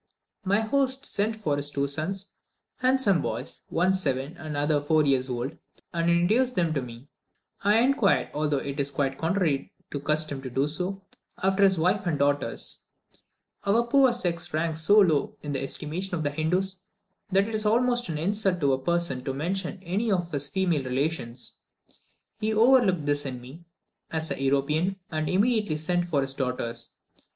My host sent for his two sons, handsome boys, one seven and the other four years old, and introduced them to me. I inquired, although it was quite contrary to custom to do so, after his wife and daughters. Our poor sex ranks so low in the estimation of the Hindoos, that it is almost an insult to a person to mention any of his female relations. He overlooked this in me, as a European, and immediately sent for his daughters.